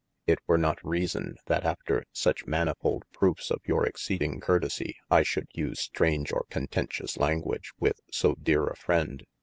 it were not reason that after such manyfold profes of your exceding curtesies, I should use straung or contencious speech with so deare a friend.